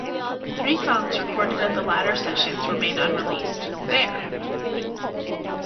Three songs recorded at the latter sessions remain unreleased: There!